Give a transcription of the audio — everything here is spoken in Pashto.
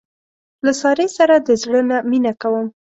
له سارې سره د زړه نه مینه کوم.